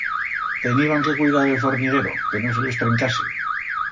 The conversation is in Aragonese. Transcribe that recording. Teniban que cuidar d'el forniguero, que no se les trencase.